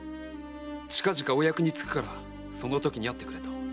「近々お役につくからそのときに会ってくれ」と。